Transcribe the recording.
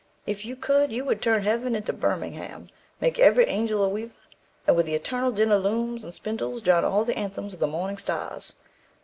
If you could, you would turn heaven into Birmingham, make every angel a weaver, and with the eternal din of looms and spindles drown all the anthems of the morning stars.